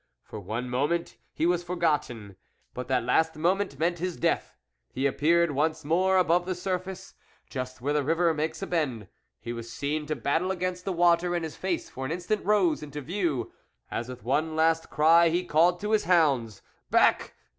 For one moment he was for gotten, but that last moment meant his death. He appeared once more above the surface, just where the river makes a bend; he was seen to battle against the water, and his face for an instant rose into view, as with one last cry he called to his hounds, "Back!